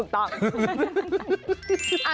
ถูกต้อง